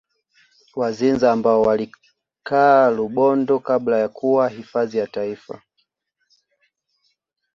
Wazinza ambao walikaa Rubondo kabla ya kuwa hifadhi ya Taifa